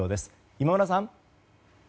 今村さん。